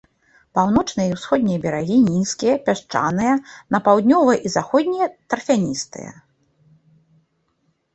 Паўночныя і ўсходнія берагі нізкія, пясчаныя, на паўднёвыя і заходнія тарфяністыя.